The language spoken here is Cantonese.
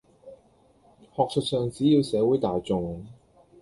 學術上只要社會大眾